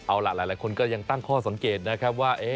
เอาล่ะหลายคนก็ยังตั้งข้อสังเกตนะครับว่า